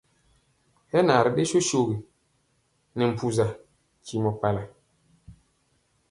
Hɛ na ri ɗe sosogi nɛ mpusa ntimɔ pala.